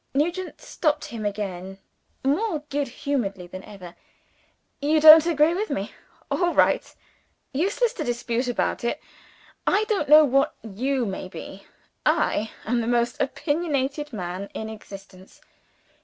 Nugent stopped him again, more good humouredly than ever. "You don't agree with me? All right! Quite useless to dispute about it. I don't know what you may be I am the most opinionated man in existence.